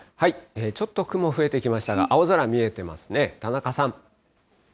ちょっと雲増えてきましたが、青空、見えてますね。